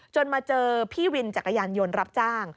มาเจอพี่วินจักรยานยนต์รับจ้าง